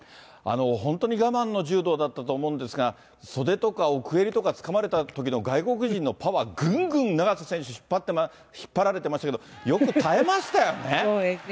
本当に我慢の柔道だったと思うんですが、袖とか、奥襟をつかまれたときの、外国人選手のパワー、ぐんぐん永瀬選手、引っ張られてましたけど、よく耐えましたよね。